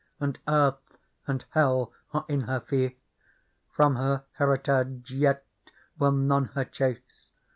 And earth and hell are in her fee : From her heritage yet will none her chase.